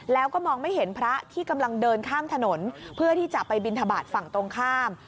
แล้วก็มองไม่เห็นพระที่กำลังเดินข้ามถนนเพื่อที่จะไปบินทบาทฝั่งตรงข้าม